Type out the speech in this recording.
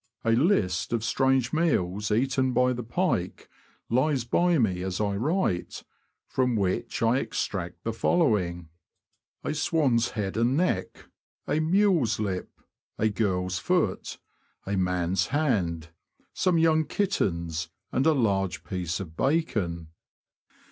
A list of strange meals eaten by the pike lies by me as I write, from which I extract the following: A THE FISH OF THE BROADS. 291 swan's head and neck, a mule's lip, a girl's foot, a man's hand, some young kittens, and a large piece of bacon.